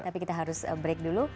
tapi kita harus break dulu